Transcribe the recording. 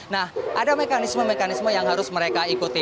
nah ada mekanisme mekanisme yang harus mereka ikuti